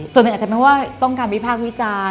ส่วนหนึ่งอาจจะไม่ว่าต้องการวิพากษ์วิจารณ์